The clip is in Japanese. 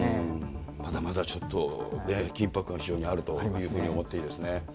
まだまだちょっと、緊迫が非常にあるというふうに思っていいですね。